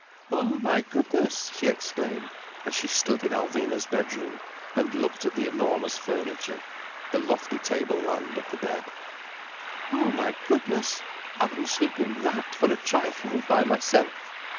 "Oh my goodness!" she exclaimed as she stood in Alvina's bedroom, and looked at the enormous furniture, the lofty tableland of the bed. "Oh my goodness! I wouldn't sleep in that for a trifle, by myself!